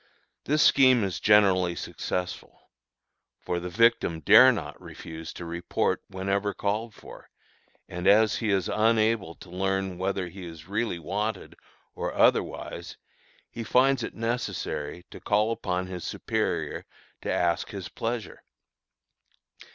This scheme is generally successful; for the victim dare not refuse to report whenever called for, and as he is unable to learn whether he is really wanted or otherwise, he finds it necessary to call upon his superior to ask his pleasure.